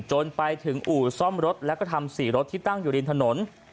จนไปถึงอู่ซ่อมรถแล้วก็ทำ๔รถที่ตั้งอยู่ริมถนน